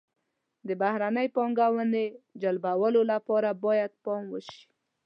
د بهرنۍ پانګونې جلبولو لپاره باید پام وشي.